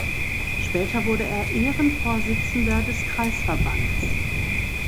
Später wurde er Ehrenvorsitzender des Kreisverbands.